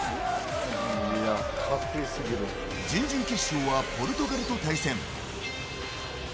準々決勝はポルトガルと対戦。